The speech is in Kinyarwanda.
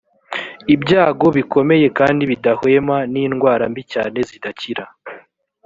ibyago bikomeye kandi bidahwema, n’indwara mbi cyane zidakira.